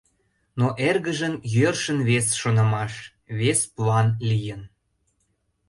Но эргыжын йӧршын вес шонымаш, вес план лийын.